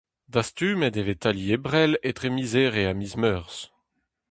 Dastumet e vez tali-Ebrel etre miz Here ha miz Meurzh.